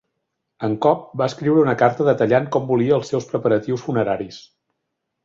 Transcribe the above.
En Cobb va escriure una carta detallant com volia els seus preparatius funeraris.